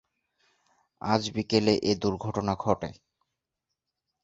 আজ বিকেলে এ দুর্ঘটনা ঘটে।